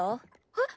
えっ？